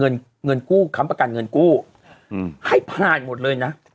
เงินกู้คำประกันเงินกู้ให้ผ่านหมดเลยนะ